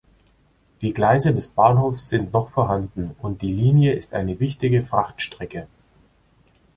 Die Gleise des Bahnhofs sind noch vorhanden und die Linie ist eine wichtige Frachtstrecke.